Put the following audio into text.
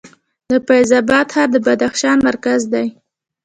د فیض اباد ښار د بدخشان مرکز دی